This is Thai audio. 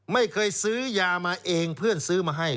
ไม่เคยซื้อยามาเองเพื่อนซื้อมาให้